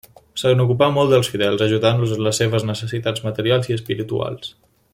Se n'ocupà molt dels fidels, ajudant-los en les seves necessitats materials i espirituals.